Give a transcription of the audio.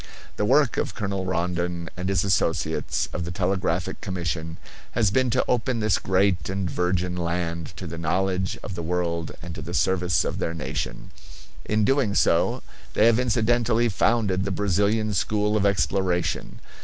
The work of Colonel Rondon and his associates of the Telegraphic Commission has been to open this great and virgin land to the knowledge of the world and to the service of their nation. In doing so they have incidentally founded the Brazilian school of exploration.